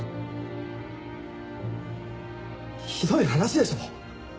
ひどい話でしょう？